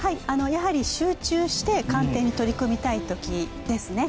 やはり集中して鑑定に取り組みたい時ですね。